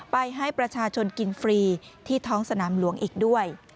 ให้ประชาชนกินฟรีที่ท้องสนามหลวงอีกด้วย